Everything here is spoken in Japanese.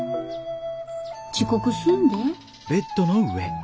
遅刻すんで。